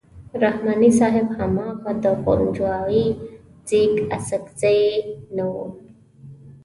رحماني صاحب هماغه د پنجوایي زېږ اڅکزی نه وو.